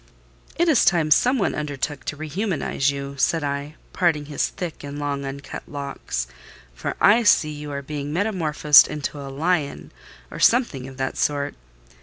"It is time some one undertook to rehumanise you," said I, parting his thick and long uncut locks; "for I see you are being metamorphosed into a lion, or something of that sort.